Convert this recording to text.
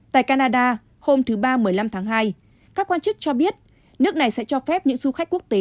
tại canada hôm thứ ba một mươi năm tháng hai các quan chức cho biết nước này sẽ cho phép những du khách quốc tế